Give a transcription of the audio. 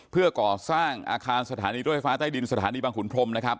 เพื่อก่อสร้างอาคารสถานีรถไฟฟ้าใต้ดินสถานีบางขุนพรมนะครับ